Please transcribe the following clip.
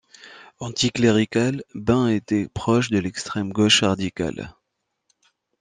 Anticlérical, Bin était proche de l'extrême-gauche radicale.